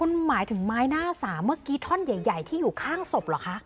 คุณหมายถึงไม้หน้าสามเมื่อกี้ท่อนใหญ่ที่อยู่ข้างศพเหรอคะ